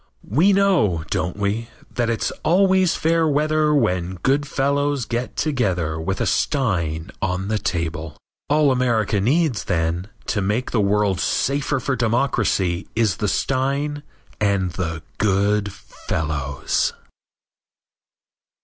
We know, don't we, that it's always fair weather when good fellows get together with a stein on the table. All America needs, then, to make the world safer for democracy is the stein and the good fellows.